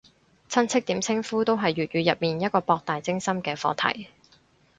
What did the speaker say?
親戚點稱呼都係粵語入面一個博大精深嘅課題